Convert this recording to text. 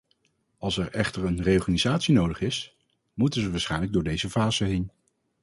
Als er echter een reorganisatie nodig is, moeten ze waarschijnlijk door deze fase heen.